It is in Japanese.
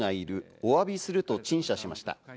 お詫びすると陳謝しました。